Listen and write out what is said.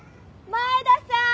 前田さん？